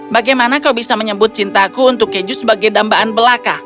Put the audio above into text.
bagaimana kau bisa menyebut cintaku untuk keju sebagai dambaan belaka